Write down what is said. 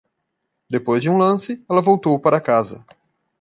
Depois de um lance, ela voltou para casa.